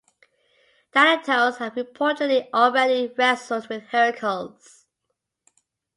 Thanatos had reportedly already wrestled with Heracles.